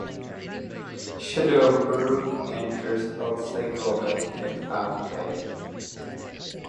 Shadow Brook enters Otsego Lake at Hyde Bay.